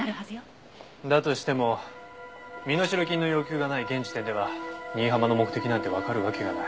だとしても身代金の要求がない現時点では新浜の目的なんてわかるわけがない。